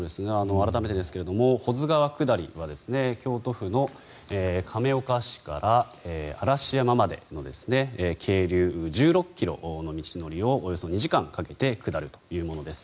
改めてですけれども保津川下りは京都府の亀岡市から嵐山までの渓流１６ｋｍの道のりをおよそ２時間かけて下るというものです。